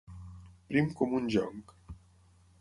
Prim com un jonc.